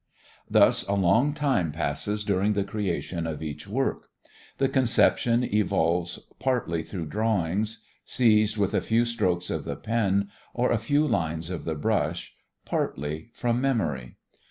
Thus a long time passes during the creation of each work. The conception evolves partly through drawings, seized with a few strokes of the pen or a few lines of the brush, partly from memory.